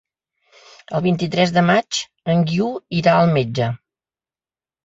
El vint-i-tres de maig en Guiu irà al metge.